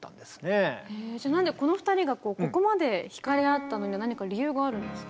この２人がここまで惹かれ合ったのには何か理由があるんですか？